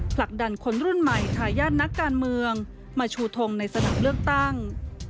ผลักดันคนรุ่นใหม่ทายาทนักการเมืองมาชูทงในสนามเลือกตั้ง